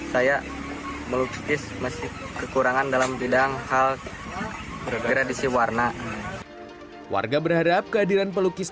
saya melukis masih kekurangan dalam bidang hal tradisi warna warga berharap kehadiran pelukis